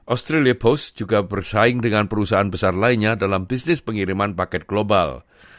australia post juga bersaing dengan perusahaan besar lainnya dalam bisnis pengiriman paket global